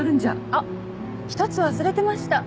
あっ１つ忘れてました。